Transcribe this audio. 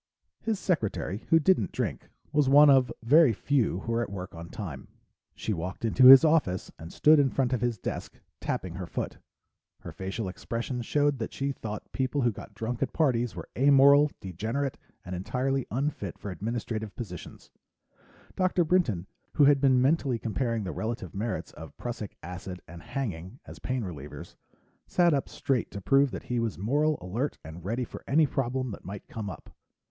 His secretary, who didn't drink, was one of very few who were at work on time. She walked into his office and stood in front of his desk, tapping her foot. Her facial expression showed that she thought people who got drunk at parties were amoral, degenerate, and entirely unfit for administrative positions. Dr. Brinton, who had been mentally comparing the relative merits of Prussic acid and hanging as pain relievers, sat up straight to prove that he was moral, alert, and ready for any problem that might come up.